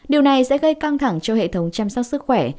điều này sẽ gây căng thẳng cho hệ thống chăm sóc sức khỏe